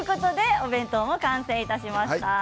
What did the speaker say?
お弁当が完成しました。